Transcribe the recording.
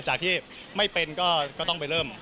จากที่ไม่เป็นก็ต้องไปเริ่ม